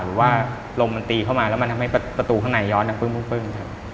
หรือว่าลมมันตีเข้ามาแล้วมันทำให้ประตูข้างในย้อนดังปึ้งครับ